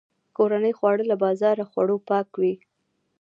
کورني خواړه له بازاري خوړو پاک وي.